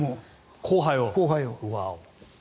後輩を。